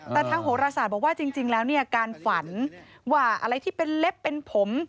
แต่ทางโหรศาสตร์บอกว่าจริงแล้วเนี่ยการฝันว่าอะไรที่เป็นเล็บเป็นผม